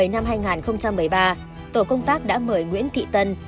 ngày một mươi sáu tháng một mươi năm hai nghìn một mươi ba tổ công tác đã mời nguyễn thị tân